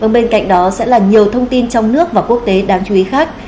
bên cạnh đó sẽ là nhiều thông tin trong nước và quốc tế đáng chú ý khác